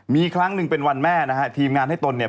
มีครั้งหนึ่งเป็นวันแม่นะฮะทีมงานให้ตนเนี่ย